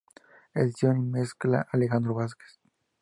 Edición y mezcla: Alejandro Vazquez.